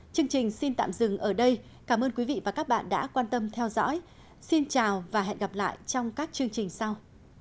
chương trình xin tạm dừng ở đây cảm ơn quý vị và các bạn đã quan tâm theo dõi xin chào và hẹn gặp lại trong các chương trình sau